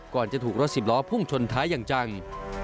ก่อนจะถูกรถสิบล้อพุ่งชนท้ายอย่างจัง